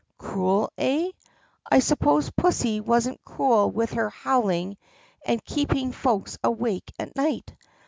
"Cruel, eh? I suppose pussy wasn't cruel with her howl ing and keeping folks awake at night.